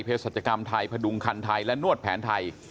เพศจรรยากรรมไทยพระดุงคันไทยและนวดแผนไทย